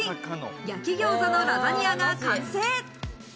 焼き餃子のラザニアが完成。